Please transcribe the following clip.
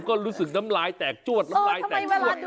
ก็รู้สึกน้ำลายแตกจวดน้ำลายแตกจวด